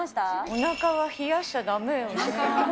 おなかは冷やしちゃだめよね。